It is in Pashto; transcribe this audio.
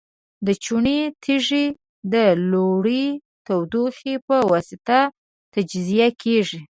د چونې تیږې د لوړې تودوخې په واسطه تجزیه کیږي.